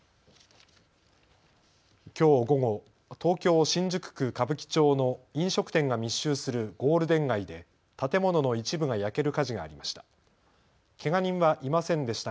きょう午後、東京新宿区歌舞伎町の飲食店が密集するゴールデン街で建物の一部が焼ける火事がありました。